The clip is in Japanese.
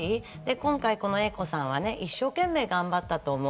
今回、このＡさんは一生懸命頑張ったと思う。